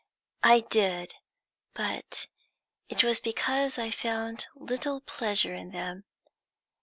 "I did, but it was because I found little pleasure in them.